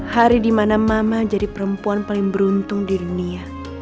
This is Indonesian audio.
hari di mana mama jadi perempuan paling beruntung di dunia